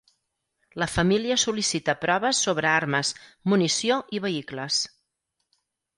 La família sol·licita proves sobre armes, munició i vehicles.